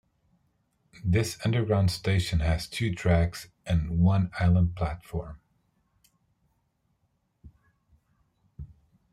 This underground station has two tracks and one island platform.